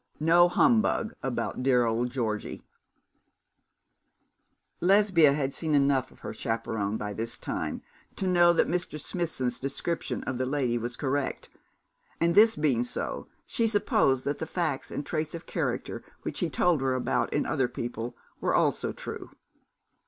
No humbug about dear old Georgie.' Lesbia had seen enough of her chaperon by this time to know that Mr. Smithson's description of the lady was correct, and, this being so, she supposed that the facts and traits of character which he told her about in other people were also true.